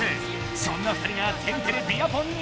そんな２人が天てれビアポンに！